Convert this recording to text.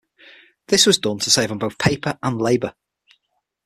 This was done to save on both paper and labour.